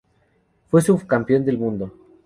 Fue subcampeón del mundo.